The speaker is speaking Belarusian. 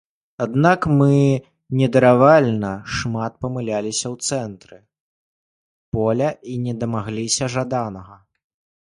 Аднак мы недаравальна шмат памыляліся ў цэнтры поля і не дамагліся жаданага.